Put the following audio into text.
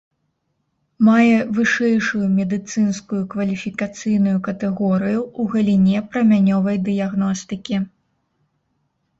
Мае вышэйшую медыцынскую кваліфікацыйную катэгорыю ў галіне прамянёвай дыягностыкі.